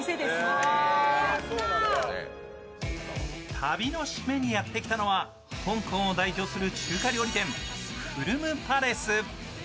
旅のシメにやってきたのは香港を代表する中華料理店フルムパレス。